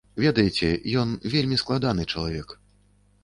Ведаеце, ён вельмі складаны чалавек.